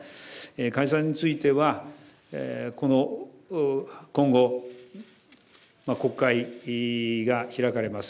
解散については、今後、国会が開かれます。